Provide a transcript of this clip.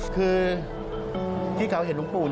คือที่เขาเห็นหลวงปู่